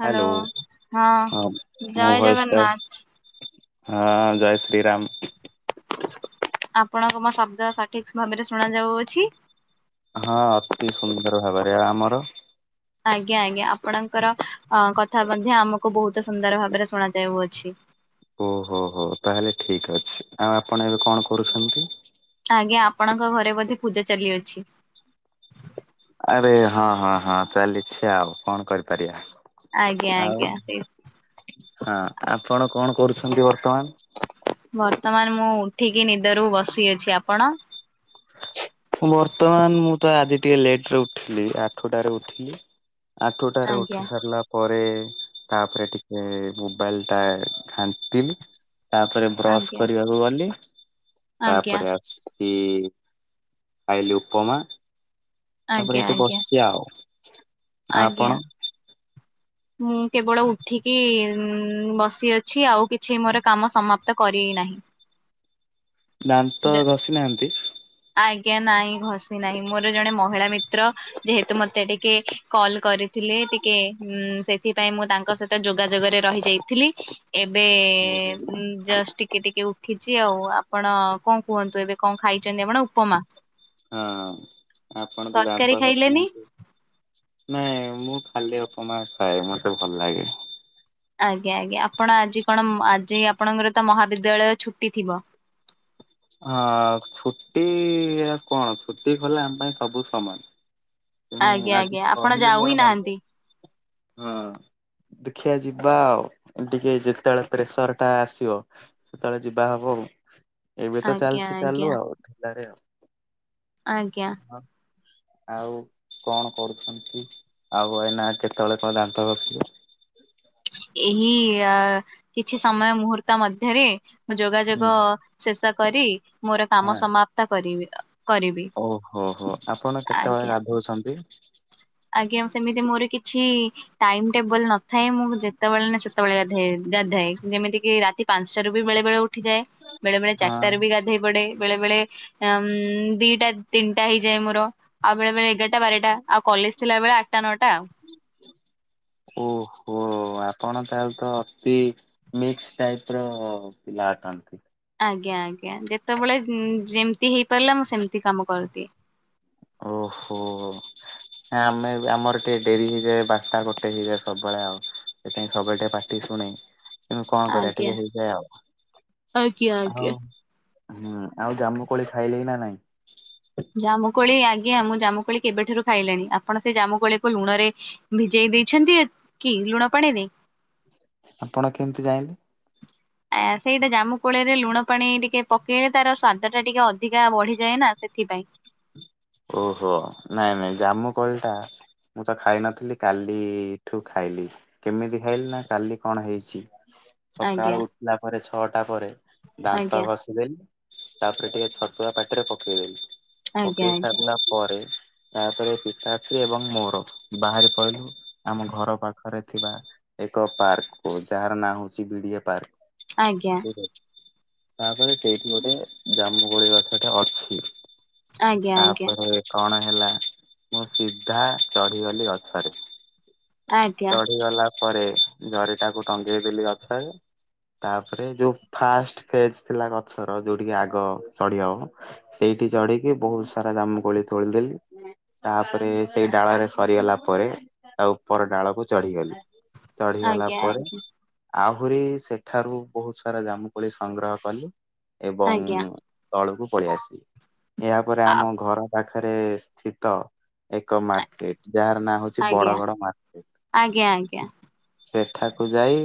Hello ହଁ ମୋ ଜୟ ଭଏସ ଟା ଜଗନ୍ନାଥ। ହଁ ଜୟ ଶ୍ରୀ ରାମ। ଆପଣଙ୍କ ମୋ ଶବ୍ଦ ସଠିକ ଭାବରେ ଶୁଣ ଯାଉଅଛି? ହଁ ଅତି ସୁନ୍ଦର ଭାବରେ ଆମର ଆଜ୍ଞା ଆଜ୍ଞା ଆପଣଙ୍କର ଅ କଥା ମଧ୍ୟ ଆମକୁ ବହୁତ ସୁନ୍ଦର ଭାବରେ ଶୁଣା ଯାଉଅଛି। ଓହୋ ହୋ ତାହେଲେ ଠିକ ଅଛି ଆଉ ଆପଣ ଏବେ କଣ କରୁଛନ୍ତି? ଆଜ୍ଞା ଆପଣଙ୍କ ଘରେ ବୋଧେ ପୂଜା ଚାଲିଅଛି। ଆରେ ହଁ ହଁ ହଁ ଚାଲିଛି ଆଉ କଣ କରିପାରିବା। ଆଜ୍ଞା ଆଉ ଆଜ୍ଞା ସେଇ ହଁ ଆପଣ କଣ କରୁଛନ୍ତି ବର୍ତ୍ତମାନ? ବର୍ତ୍ତମାନ ମୁଁ ଉଠିକି ନିଦରୁ ବସି ଅଛି। ଆପଣ? ବର୍ତ୍ତମାନ ମୁଁ ତ ଆଜି ଟିକେ ଲେଟ ରେ ଉଠଲି ଆଠଟାରେ ଉଠିଲି। ଆଠୁଟାରେ ଆଜ୍ଞା ଉଠି ସାରିଲା ପରେ ସେ ତାପରେ ଟିକେ ମୋବାଇଲ ଟା ଘାଣ୍ଟିଲି। ତାପରେ ବ୍ରସ୍ ଆଜ୍ଞା କରିବାକୁ ଗଲି, ଆଜ୍ଞା ତାପରେ ଆସିକି ଖାଇଲି ଉପମା, ତାପରେ ଆଜ୍ଞା ଏଇଠି ଆଜ୍ଞା ବସିଛି ଆଉ। ଆଉ ଆଜ୍ଞା। ଆପଣ? ମୁଁ କେବଳ ଉଠିକି ଉନ୍ ବସିଅଛି ଆଉ କିଛି ମୋର କାମ ସମାପ୍ତ କରି ନାହିଁ। ଦାନ୍ତ ଘଷି ନାହାନ୍ତି? ଆଜ୍ଞା ନାହିଁ ଘସି ନାହିଁ। ମୋର ଜଣେ ମହିଳା ମିତ୍ର ଯେହେତୁ ମତେ ଟିକେ କଲ କରିଥିଲେ ଟିକେ ହୁ ସେଥିପାଇଁ ମୁଁ ତାଙ୍କ ସହିତ ଯୋଗାଯୋଗରେ ରହି ଯାଇଥିଲି ଓହୋ। ଏବେ-ଏ-ଏ ଉମ୍ ଜଷ୍ଟ ଟିକେ ଟିକେ ଟିକେ ଉଠିଛି ଆଉ ଆପଣ କଣ କୁହନ୍ତୁ ଏବେ କଣ ଖାଇଛନ୍ତି ଆପଣ ଉପମା। ହଁ ଆପଣଙ୍କ ଗାଁ [unintelligible] ତରକାରୀ ଖାଇଲେନି? ନାହାନ୍ତି ନାଇଁ ମୁଁ ଖାଲି ଉପମା ଖାଏ ମତେ ଭଲ ଲାଗେ। ଆଜ୍ଞା ଆଜ୍ଞା ଆପଣ ଆଜି କଣ ମ ଆଜି ଆପଣଙ୍କର ତ ମହାବିଦ୍ୟାଳୟ ଛୁଟି ଥିବ? ହଁ ଛୁଟି କଣ ଛୁଟି କଲେ ଆମ ପାଇଁ ସବୁ ସମାନ। ତେଣୁ ଆଜ୍ଞା ଆଜି ଆଜ୍ଞା ଆପଣ କହିଲେ ଯାଉ ମୋର ହି ମନେ ନାହାନ୍ତି। ହଁ। ଦେଖିବା ଯିବା ଆଉ, ଟିକେ ଯେତେବେଳେ ପ୍ରେସର ଟା ଆସିବ ସେତେବେଳେ ଯିବା ହବ। ଏବେ ତ ଆଜ୍ଞା ଚାଲିଛି ଆଜ୍ଞା ଚାଲୁ ଆଉ ଢିଲାରେ ଆଉ। ଆଜ୍ଞା। ହଁ ଆଉ କଣ କରୁଛନ୍ତି? ଆଉ ଏଇନା କେତେବେଳେ କଣ ଦାନ୍ତ ଘଷିଲେ? ଏହି-ଆ କିଛି ସମୟ ମୁହୂର୍ତ୍ତ ମଧ୍ୟରେ ଯୋଗାଯୋଗ ଶେଷ କରି ମୋର ହଁ କାମ ସମାପ୍ତ କରିବି। କରିବି ଓହୋ ହୋ ଆପଣ କେତେବେଳେ ଆଜ୍ଞା। ଗାଧଉଛନ୍ତି? ଆଜ୍ଞା ସେମିତି ମୋର କିଛି ଟାଇମ ଟେବଲ ନଥାଏ ମୁଁ ଯେତେବେଳେ ନା ସେତବେଳେ ସେତେବେଳେ ଗାଧାଏ ଗାଧାଏ ଯେମିତି କିି ରାତି ପାଞ୍ଚଟାରୁ ବି ବେଳେ ବେଳେ ଉଠ ଉଠିଯାଏ, ବେଳେ ବଳେ ଚାରିଟର ହଁ ବି ଗାଧୋଇ ପଡେ। ବେଳେ ବେଳେ ଉମ୍ ମ୍ ଦିଟା ତିନିଟା ହେଇଯାଏ ମୋର ଆଉ ବେଳେ ବେଳେ ଏଗାରଟା ବାରଟା। ଆଉ କଲେଜ ଥିଲା ବେଳେ ଆଠଟା ନଅଟା। [inaudible] ଓହୋ ଆପଣ ତାହେଲେ ତ ଅତି ମିକ୍ସ ଟାଇପ ର ପିଲା। ଅଟନ୍ତି। ଆଜ୍ଞା ଆଜ୍ଞା ଯେତେବେଳେ ଉମ୍ ଯେମିତି ହେଇ ପାରିଲା ମୁଁ ସେମତି କାମ କରଦିଏ। ଓହୋ। ନାହିଁ ଆମେ ଏବେ ଆମର ଟିକେ ଡେରି ହେଇଯାଏ ବାରଟା ଗୋଟେ ହେଇଯାଏ ସବୁବେଳେ ଆଉ। ସେଥିପାଇଁ ସବୁବେଳେ ଟିକେ ପାଟି ଶୁଣେ। ତେଣୁ କଣ କରିବା ଆଜ୍ଞା। ଟିକେ ହେଇଯାଏ ଆଜ୍ଞା ଆଉ ଆଜ୍ଞା। ହଉ। ହୁଁ ଆଉ ଜାମୁ କୋଳି ଖାଇଲେ ନା ନାଇଁ? ଯାମୁ କୋଳି ଆଜ୍ଞା ମୁଁ ଜାମୁକୋଳି କେବେଠାରୁ ଖାଇଲିଣି, ଆପଣ ସେ ଜାମୁ କୋଳିକୁ ଲୁଣ ରେ ଭିଜେଇ ଦେଇଛନ୍ତି? କି ଲୁଣ ପାଣିରେ ଆପଣ କେମିତି ଜାଣିଲେ? ସେଇଟା ଜାମୁ କୋଳିରେ ଲୁଣ ପାଣି ଟିକେ ପକେଇଲେ, ତାର ସ୍ଵାଦ ଟା ଟିକେ ଅଧିକା ବଢିଯାଏ ନା ସେଥିପାଇଁ। ଓହୋ ନାଇଁ ନାଇଁ ଜାମୁକୋଳିଟା ମୁଁ ତ ଖାଇନଥିଲି କାଲିଠୁ ଖାଇଲି, କେମିତି ଖାଇଲି ନା କାଲି କଣ ହେଇଛି? ଆଜ୍ଞା ସକାଳୁ ଉଠିଲା ପରେ ଛଅଟା ପରେ ଦାନ୍ତ ଆଜ୍ଞା ଘଷିଦେଲି। ତାପରେ ଟିକେ ଛତୁଆ ପାଟିରେ ପକେଇଦେଲି। ଆଜ୍ଞା ପକେଇ ଆଜ୍ଞା। ସାରିଲା ପରେ ତାପରେ ପିତା ଶ୍ରୀ ଏବଂ ମୋର ବାହାରି ପଡ଼ିଲୁ ଆମ ଘର ପାଖରେ ଥିବା ଏକ ପାର୍କ ଯାହାର ନାଁ ହଉଛି ବିଡିଏ ପାର୍କ। ଆଜ୍ଞା। ଠିକ ଅଛି ତାପରେ ସେଇଠି ଗୋଟେ ଜାମୁକୋଳି ଗଛଟେ ଅଛି। ଆଜ୍ଞା ଆଜ୍ଞା। ତାପରେ କଣ ହେଲା ମୁଁ ସିଧା ଚଢିଗଲି ଗଛରେ। ଆଜ୍ଞା। ଚଢିଗଲା ପରେ ଜରିଟାକୁ ଟଙ୍ଗେଇ ଦେଲି ଗଛରେ। ତାପରେ ଯୋଉ ଫାଷ୍ଟ ଫେଜ ଥିଲା ଗଛର ଯୋଉଠିକି ଆଗ ଚଢି ହବ ସେଇ ସେଇଠି ଚଢିକି ବହୁତ ସାରା ଜାମୁକୋଳି ତୋଳିଦେଲି। ତାପରେ ସେଇ ଡାଳରେ ସରିଗଲା ପରେ ତା ଉପର ଡାଳକୁ ଚଢିଗଲି। ଚଢିଗଲା ପରେ ଆଜ୍ଞା ଆହୁରି ସେଠାରୁ ବହୁତ ସାରା ଜାମୁକୋଳି ସଂଗ୍ରହ କଲି ଏବଂ ଆଜ୍ଞା ତଳକୁ ପଳେଇଆସିଲି। ଆଜ୍ଞା। ଆମ ଘର ପାଖରେ ସ୍ଥିତ ଏକ ମାର୍କେଟ ଯାହାର ନାଁ ହଉଛି ବଡ ଆଜ୍ଞା ବଡ ମାର୍କେଟ। ଆଜ୍ଞା ସେଠାକୁ ଯାଇ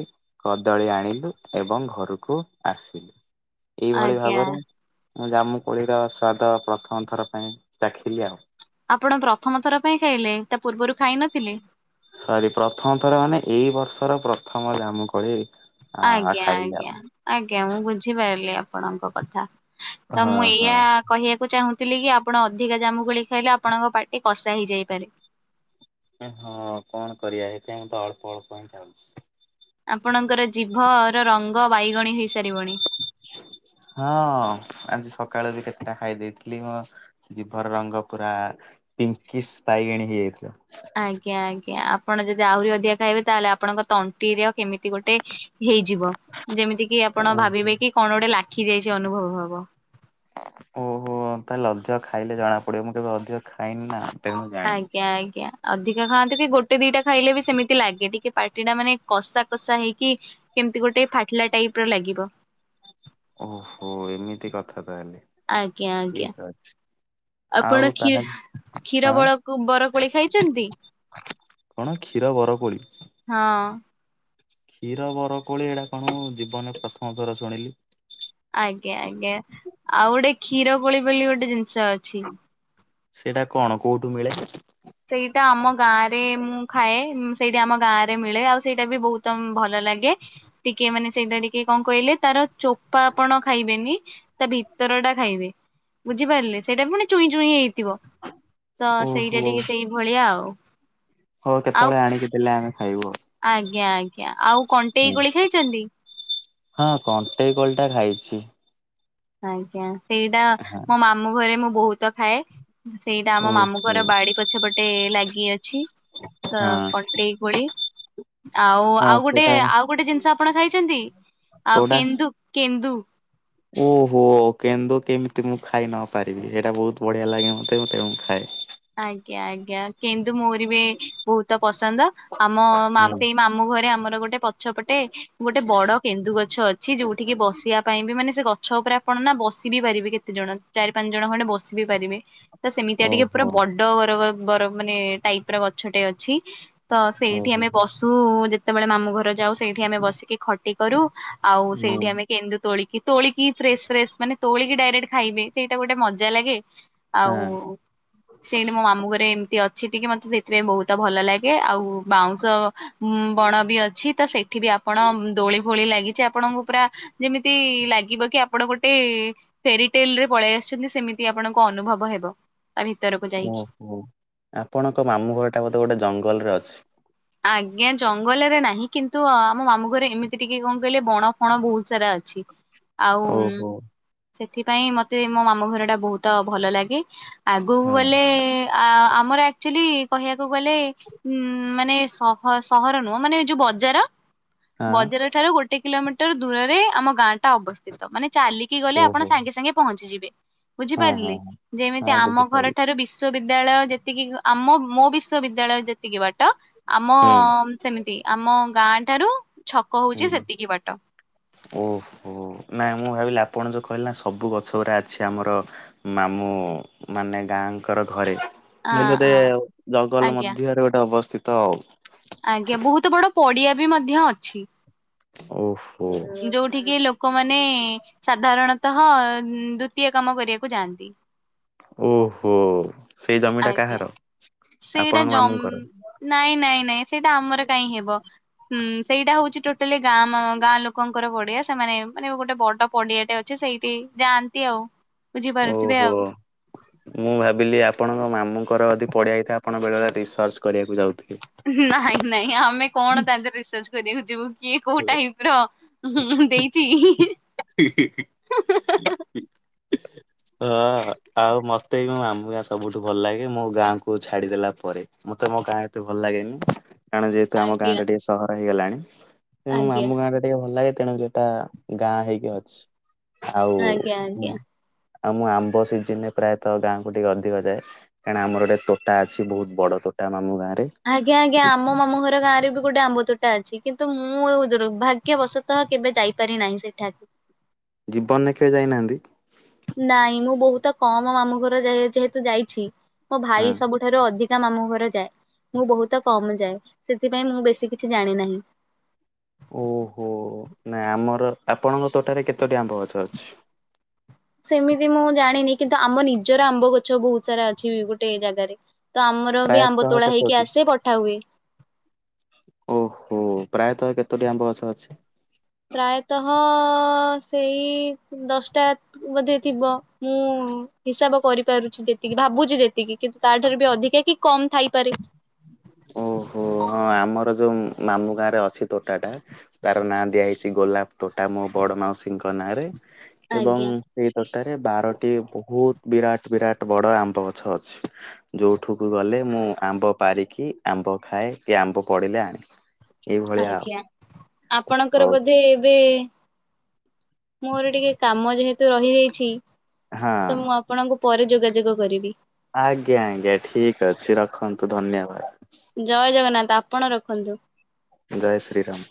କଦଳୀ ଆଣିଲୁ ଏବଂ ଘରକୁ ଆସିଲୁ। ଏଇଭଳି ଆଜ୍ଞା ଭାବରେ ମୁଁ ଜାମୁ କୋଳିରସ୍ଵାଦ ପ୍ରଥମ ଥର ପାଇଁ ଚାଖିଲି ଆଉ। ଆପଣ ପ୍ରଥମ ଥର ପାଇଁ ଖାଇଲେ ତା ପୂର୍ବରୁ ଖାଇ ନଥିଲେ? ସରି ପ୍ରଥମ ଥର ମାନେ ଏଇ ବର୍ଷର ପ୍ରଥମ ଜାମୁକୋଳି। ଆ ଆଜ୍ଞା ଖାଇଲି ଆଉ। ଆଜ୍ଞା ଆଜ୍ଞା ମୁଁ ବୁଝିପାରିଲି ଆପଣଙ୍କ କଥା। ତ ହଁ ମୁଁ ହଁ। ଏଇଆ କହିବାକୁ ଚାହୁଁ କି ଆପଣ ଅଧିକା ଜାମୁ ଗୋଳି ଖାଇଲେ ଆପଣଙ୍କ ପାାର୍ଟି କଷା ହେଇଯାଇପାରେ। ହଁ କଣ କରିବା ଏଥିପାଇଁ ତ ଅଳ୍ପ ଅଳ୍ପ ଖାଉଛି। ଆପଣଙ୍କର ଜୀଭ ରଙ୍ଗ ବାଇଗଣୀ ହେଇସାରିବଣି। ଟା ଖାଇ ଦେଇେଥିଲି ମୋ ଜିଭର ରଙ୍ଗ ପୁରା ପିଙ୍କିସ୍ ବାଇଗଣୀ ହେଇଯାଇଥିଲା। ଆଜ୍ଞା ଆଜ୍ଞା ଆପଣ ଯଦି ଆହୁରି ଅଧିକା ଖାଇବେ ତାହେଲେ ଆପଣଙ୍କ ତଣ୍ଟିର କେମିତି ଗୋଟେ ହେଇଯିବ, ଯେମିତି କି ଆପଣ ଭାବିବେ କି କଣ ଗୋଟେ ଲା ଖିଦାଇଛି ଅନୁଭବ ହବ ଓହୋ ତାହେଲେ ଅଧିକ ଖାଇଲେ ଜଣା ପଡିବ। ମୁଁ କେବେ ଅଧିକ ଖାଇନି ନା ତେଣୁ ଜାଣିନି। ଆଜ୍ଞା ଆଜ୍ଞା ଅଧିକା ଖାଆନ୍ତୁ କି ଗୋଟେ ଦିଟା ଖାଇଲେ ବି ସେମିତି ଲାଗେ ଟିକେ ପା ଟା ମାନେ କଷା କଷା ହେଇକି କେମିତି ଗୋଟେ ଫାଟିଲା ଟାଇପର ଲାଗିବ। ଓହୋ ଏମିତି କଥା ତାହେଲେ ଆଜ୍ଞା ଆଜ୍ଞା ଠିକ ଅଛି। ଆଉ ଆପଣ ଖି ତାହେଲେ କ୍ଷୀର ହଁ ବର ବରକୋଳି ଖାଇଛନ୍ତି? କଣ କ୍ଷୀର ବର କୋଳି? ହଁ କ୍ଷୀର ବରକୋଳି ଏଇଟା କଣ ହ ଜୀବନରେ ପ୍ରଥମ ଥର ଶୁଣିଲି। ଆଜ୍ଞା ଆଜ୍ଞା ଆଉ ଗୋଟେ କ୍ଷୀର କୋଳି ବୋଲି ଗୋଟେ ଜିନିଷ ଅଛି। ସେଇଟା କଣ କୋଉଠୁ ମିଳେ? ସେଇଟା ଆମ ଗାଁ ରେ ମୁଁ ଖାଏ ସେଇଠି ଆମ ଗାଁ ରେ ମିଳେ ଆଉ ସେଇଟା ବି ବହୁତ ଭଲ। ଲାଗେ ଟିକେ ମାନେ ସେଇଟା ଟିକେ କଣ କହିଲେ ତାର ଚୋପା ଆପଣ ଖାଇବେନି ତା ଭିତ ତେରଟା ଖାଇବି ବୁଝିପାରିଲେ ସେଇଟା ପୁଣି ଚୁଇଁ ଚୁଇଁ ହେଇ ଥିବ ତ ସେଇଟା ଓହୋ ଟିକେ ସେଇ ଭଳିଆ ଆଉ। ହଉ ଆଉ କେତେବେଳେ ଆଣିକି ଦେଲେ ଆମେ ଖାଇବୁ ଆଉ। ଆଜ୍ଞା ଆଜ୍ଞା ଆଉ କଣ୍ଟେଇ ହୁଁ କୋଳି ଖାଇଛନ୍ତି? ହଁ କଣ୍ଟେଇ କୋଲଟା ଖାଇଛି। ଆଜ୍ଞା ସେଇଟା ମୋ ମାମୁଁ ଘରେ ମୁଁ ବହୁତ ଖାଏ। ସେଇଟା ଆମ ଓହୋ। ମାମୁଙ୍କର ବାଡି ପଛ ପଟେ ଲାଗି ଅଛି। ତ ହଁ। କଣ୍ଟେଇ କୋଳି। ଆଉ ହଁ ଆଉ ଗୋଟେ ସେଇଟା ଆଉ ଗୋଟେ ଜିନିଷ ଆପଣ ଖାଇଛନ୍ତି ଆଉ କୋଉଟା କେନ୍ଦୁ କେନ୍ଦୁ? ଓହୋ। କେନ୍ଦୁ କେମିତି ମୁଁ ଖାଇ ନ ପାରିବି ସେଇଟା ବହୁତ ବଢିଆ ଲାଗେ ମତେ ମତେ ଖାଏ। ଆଜ୍ଞା ଆଜ୍ଞା କେନ୍ଦୁ ମୋର ବି ବହୁତ ପସନ୍ଦ। ଆମ ମାମୁଁ ହୁଁ ସେଇ ମାମୁଁ ଘରେ ଆମର ଗୋଟେ ପ ଗଛ ପଟେ ଗୋଟେ ବଡ କେନ୍ଦୁ ଗଛ ଅଛି ଯୋଉଠିକି ବସିବା ପାଇଁ ବି ମାନେ ସେ ଗଛ ଗଛ ଉପରେ ଆପଣ ନା ବସିିବ ବି ପାରିବେ କେତେ ଜଣ ଚାରି ପାଞ୍ଚ ଜଣ ଖଣ୍ଡେ ବସିିବ ବି ପାରିବେ ତ ସେମିତିଆ ଟିକେ ପୁରା ଓହୋ। ବଡ ବର ବର ମାନେ ଟାଇପ ର ଗଛଟେ ଅଛି। ତ ସେଇଠି ଓହୋ ଆମେ ବସୁ ଯେତେବେଳେ ମାମୁଁ ଘର ଯାଉ। ସେଇଠି ଆମେ ବସିକି ଖଟି କରୁ ଆଉ ହୁଁ ସେଇଠି ଆମେ କେନ୍ଦୁ ତୋଳି କି କି ତୋଳିକି ଫ୍ରେଶ ଫ୍ରେଶସ୍ ମାନେ ତୋଳିକି ଡାଇରେକ୍ଟ ଖାଇବେ ସେଇଟା ଗୋଟେ ମଜା ଲାଗେ। ଆଉ ହଁ ସେଇଠି ମୋ ମାମୁଁ ଘରେ ଏମ ଅଛି ଟିକେ ମତେ ସେଥିପାଇଁ ବହୁତ ଭଲ ଲାଗେ ଆଉ। ବାଉଁଶ ବଣ ବି ଅଛି ତ ସେଠି ବି ଆପଣ ଦୋଳି ଭଳି ଲାଗିଛି ଆପଣଙ୍କୁ ପୁରା ଯେମିତି ଲାଗିବ କି ଆପଣ ଗୋଟେ ଫେରିଟେଲ ରେ ପଳେଇ ଆ ଆସିଛନ୍ତି ସେମିତି ଆପଣଙ୍କୁ ଅନୁଭବ ହେବ ତା ଭିତ ଓହୋ ଆପଣଙ୍କ ମାମୁଁ ଘର ଟା ବୋଧେ ଗୋଟେ ଜଙ୍ଗଲରେ ଅଛି। ଆଜ୍ଞା ଜଙ୍ଗଲରେ ନାହିଁ କିନ୍ତୁ ଆମ ମାମୁଁ ଘରେ ଏମିତି ଟିକେ କଣ କହିଲେ ବଣ ଫଣ ବହୁତ ସାରା ଅଛି। ଆଉ ଓହୋ ସେଥିପାଇଁ ମତେ ମୋ ମାମୁ ଘର ଟା ବହୁତ ଭଲ ଲାଗେ। ଆଗକୁ ହଁ ଗଲେ ଆଁ ଆମର ଆକ୍ଚୁଆଲି କହିବାକୁ ଗଲେ ଉ ମାନେ ସହ ସହର ନୁହଁ ମାନେ ଏ ଯୋଉ ବଜାର ହଁ ବଜାର ଠାରୁ ଗୋଟେ କିଲୋମିଟର ମିଟର ଦୂରରେ ଆମ ଗାଁ ଟା ଅବସ୍ଥିତ ମାନେ ଚାଲିକି ଗଲେ ଆପଣ ଓହୋ ସାଙ୍ଗେ ସାଙ୍ଗେ ପହଞ୍ଚିଯିବେ। ହଁ ବୁଝିପାରିଲେ ହଁ। ଯେମିତି ହଁ ଆମ ଘର ବୁଝିପାରିଲି ଠାରୁ ବିଶ୍ଵ ବିଦ୍ୟାଳୟ ଯେତିକି ଆମ ମୋ ବିଶ୍ବିଦ୍ୟାଳୟ ଯେତିକି ବାଟ। ଆମ ହୁଁ ସେମିତି ଆମ ଗାଁ ଠାରୁ ଛକ ହଉଛି ସେତିକି ବାଟ ହ ଓହୋ ନାଇଁ ମୁଁ ଭାବିଲି ଆପଣ ଆପଣ ଯେଉଁ କହିଲେ ନା ସବୁ ଗଛ ଗୁଡ଼ା ଅଛି ଆମର ମାମୁଁ ମାନେ ଗାଁଙ୍କର ଘରେ। ଆ ମୁଇଁ ଗୋଟେ ଜଙ୍ଗଲ ଆଜ୍ଞା ମଧ୍ୟରେ ଗୋଟେ ଅବସ୍ଥିତ ଆଉ। ଆଜ୍ଞା ବହୁତ ବଡ ପଡିଆ ବି ମଧ୍ୟ ଅଛି। ଓ। ଯୋଉଠିକି ଲୋକମାନେ ସାଧାରଣ ତ ହଁ ଦ୍ଵିତୀୟ କାମ କରିବାକୁ ଯାଆନ୍ତି। ଓହୋ ସେଇ ଜମିଟା ଆଜ୍ଞା କାହାର? ସେଇଟା ଆପଣଙ୍କ ମାମୁଁଙ୍କର ଜମ ନାଇଁ ନାଇଁ ନାଇଁ ସେଇଟା ଆମର କାହିଁ ହେବ। ହୁଁ ସେଇଟା ହଉଛି ଟୋଟାଲି ଗାଁ ଗାଁ ଲୋକ ଲୋକଙ୍କର ପଡିଆ ସେମାନେ ମାନେ ଗୋଟେ ବଡ ପଡିଆଟେ ଅଛି ସେଇଠି ଯାଆନ୍ତି ଆଉ। ବୁଝିପାରୁଥିବେ ଓହୋ ଆଉ ମୁଁ ଭାବିଲି ଆପ ଆପଣଙ୍କ ମାମୁଙ୍କର ଯଦି ପଡ଼ିଆ ହୋଇଥାଏ ଆପଣ ବେଳେବେଳେ ରିସର୍ଚ୍ଚ କରିବାକୁ ଯାଉଥି ହିଁ ନାଇଁ ନାଇଁ ଆମେ କଣ ତାରେ ରିସର୍ଚ୍ଚ କରିବାକୁ ଯିବୁ। କିଏ କୋଉ ଟାଇପ ର ହିଁ ହିଁ ଦେଇଛି। ହି ହି ହି ହଁ ଆହା ଆଉ ମ ତେ କଣ ଆମ ଗାଁ ସବୁଠୁ ଭଲ ଲାଗେ। ମୋ ଗାଁକୁ ଛାଡିଦେଲା ପରେ ମତେ ମୋ ଗାଁ ଏତେ ଭଲ ଲାଗେନି। କାରଣ ଯେହେତୁ ଆମ ଆଜ୍ଞା ଗାଁଟା ଟିକେ ସହର ହେଇଗଲାଣି। ତେଣୁ ଆମ ଆଜ୍ଞା ଗାଁ ଟା ଟିକେ ଭଲ ଲାଗେ। ତେଣୁ ସେଟା ଗାଁ ହେଇକି ଅଛି। ଆଉ ଆଜ୍ଞା ଆଜ୍ଞା। ଆଉ ମୁଁ ଆମ୍ବ ସିଜିନରେ ପ୍ରାୟତଃ ଗାଁକୁ ଟିକେ ଅଧିକ ଯାଏ। କାରଣ ଆମର ଗୋଟେ ତୋଟା ଅଛି ବହୁତ ବଡ ତୋ ଟା ମାମୁଁ ଗାଁ ଆଜ୍ଞା ଆଜ୍ଞା ଆମ ମାମୁଁ ଘର ଗାଁରେ ବି ଗୋଟେ ଆମ୍ବ ତୋଟା ଅଛି। କିନ୍ତୁ ମୁଁ ଦୁର୍ଭାଗ୍ୟବଶତଃ କେବେ ଯାଇପାରି ନାହିଁ ସେଠାକ ଜୀବନରେ କେବେ ଯାଇନାହାନ୍ତି? ନାଇଁ ମୁଁ ବହୁତ କମ ମାମୁଁ ଘର ଯ ଯେହେତୁ ଯାଇଛି ମୋ ହଁ। ଭାଇ ସବୁଠାରୁ ଅଧିକ ତା ମାମୁଁ ଘର ଯାଏ। ମୁଁ ବହୁତ କମ୍ ଯାଏ। ସେଥିପାଇଁ ମୁଁ ବେଶି କିଛି ଜାଣି ନାହିଁ। ଓଃହୋ ନାଁ ଆମର ଆପଣଙ୍କ ତୋଟାରେ କେତୋଟି ଆମ୍ବ ଗଛ ଅଛି? ସେମିତି ମୁଁ ଜାଣିନି କିନ୍ତୁ ଆମ ନିଜର ଆମ୍ବ ଗଛ ବହୁତ ସାରା ଅଛି ଗୋଟେ ଜାଗାରେ। ତ ଆମର ବି ଆମ୍ବ ପ୍ରାୟତଃ ତୋଳା ହେଇକି କେତୋଟି ଆସେ ପଠା ହୁଏ। ଓହୋ ପ୍ରାୟତଃ କେତୋଟି ଆମ୍ବଗଛ ଅଛି? ପ୍ରାୟତଃ ସେଇ ଦଶଟା ବୋଧେ ଥିବ। ମୁଁ ହିସାବ କରିପାରୁଛି ଯେତିକି ଭାବୁଚି ଯେତିକି କିନ୍ତୁ ତା ଠାରୁ ବି ଅଧିକା କି କମ ଥାଇପାରେ। ଓହୋ ହଁ ଆମର ଯୋଉ ମାମୁଁ ଗାଁ ରେ ଅଛି ତୋଟା ଟା ତାର ନାଁ ଦିଆ ହେଇଚି ଗୋଲାପ ତୋଟା ମୋ ବଡ ମାଉସୀଙ୍କ ନାଁରେ ଏବଂ ଆଜ୍ଞା ସେଇ ଗ ଟାରେ ବାରଟି ବହୁତ ବିରାଟ ବିରାଟ ବଡ ଆମ୍ବ ଗଛ ଅଛି। ଯୋଉଠୁକୁ ଗଲେ ମୁଁ ଆମ୍ବ ପାରିକି ଆମ୍ବ ଖାଏ। କି ଆମ୍ବ ପଡିଲେ ଆଣେ। ଏଇ ଭଳିଆ ଆଉ। ଆଜ୍ଞା ଆପଣଙ୍କର ହଉ ବୋଧେ ବ୍ ଏ ମୋର ଟିକେ କାମ ଯେହେତୁ ରହିଯାଇଛି ହଁ। ତ ମୁଁ ଆପଣଙ୍କୁ ପରେ ଯୋଗାଯୋଗ କରିବି। ଆଜ୍ଞା ଆଜ୍ଞା ଠିକ ଅଛି ରଖନ୍ତୁ ଧନ୍ୟବାଦ। ଜୟ ଜଗନ୍ନାଥ ଆପଣ ରଖନ୍ତୁ। ଜୟ ଶ୍ରୀ ରାମ।